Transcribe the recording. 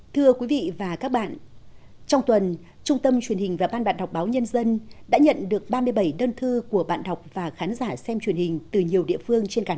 thưa quý vị và các bạn trong tuần trung tâm truyền hình và ban bạn đọc báo nhân dân đã nhận được ba mươi bảy đơn thư của bạn đọc và khán giả xem truyền hình từ nhiều địa phương